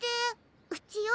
うちよ。